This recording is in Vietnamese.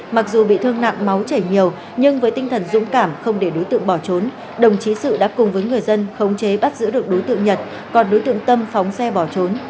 mặc dù bị thương nặng máu chảy nhiều nhưng với tinh thần dũng cảm không để đối tượng bỏ trốn đồng chí sự đã cùng với người dân khống chế bắt giữ được đối tượng nhật còn đối tượng tâm phóng xe bỏ trốn